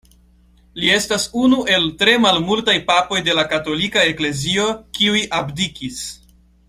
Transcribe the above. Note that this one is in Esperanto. Li estas unu el tre malmultaj papoj de la Katolika Eklezio, kiuj abdikis.